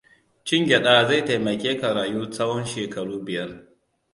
Cin gyaɗa zai taimake ka rayu tsawon shekaru biyar.